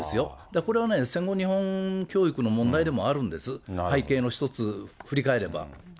だからこれはね、戦後日本教育の問題でもあるんです、背景の一つ振り返れば。